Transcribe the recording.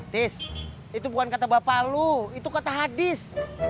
tis itu bukan kata bapak lu itu kata hadis